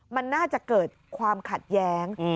มันน่าจะเกิดความขัดแย้ง